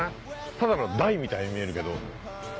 ただの台みたいに見えるけど。